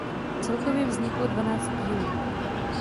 Celkově vzniklo dvanáct dílů.